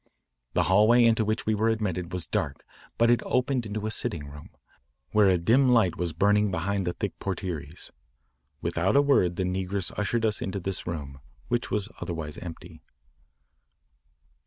The hallway into which we were admitted was dark but it opened into a sitting room, where a dim light was burning behind the thick portieres. Without a word the negress ushered us into this room, which was otherwise empty.